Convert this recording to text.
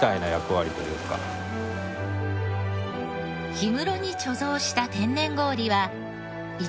氷室に貯蔵した天然氷ははい。